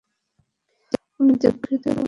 আমি দুঃখিত, কী বলবো?